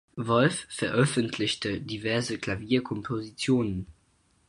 Wolff veröffentlichte diverse Klavierkompositionen.